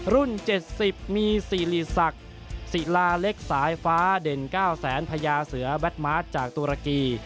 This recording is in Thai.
รุ่น๗๐มีสิริศักดิ์ศิลาเล็กสายฟ้าเด่น๙แสนพญาเสือแบทมาสจากตุรกี